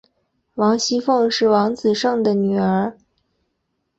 王熙凤是王子胜的女儿。